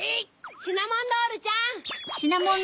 シナモンロールちゃん！